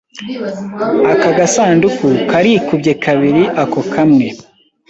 Aka gasanduku karikubye kabiri ako kamwe.